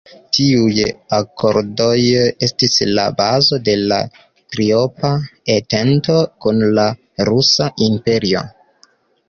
Tiuj akordoj estis la bazo de la "Triopa Entento" kun la Rusa Imperio.